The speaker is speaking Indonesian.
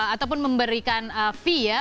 ataupun memberikan fee ya